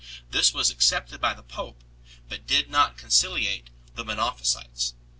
This was accepted by the pope 3 , but did not conciliate the Monophysites.